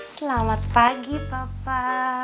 selamat pagi papa